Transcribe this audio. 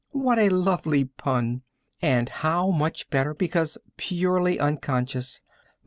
"What a lovely pun! And how much better because purely unconscious!